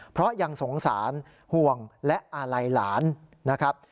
เพราะยังสงสารห่วงและอาลัยหลานนะครับ